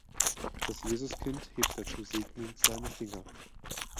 Das Jesuskind hebt dazu segnend seine Finger.